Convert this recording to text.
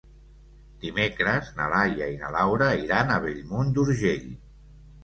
Dimecres na Laia i na Laura iran a Bellmunt d'Urgell.